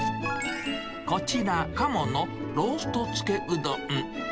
こちら、カモのローストつけうどん。